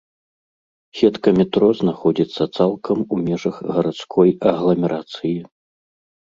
Сетка метро знаходзіцца цалкам у межах гарадской агламерацыі.